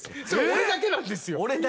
俺だけなんですよ。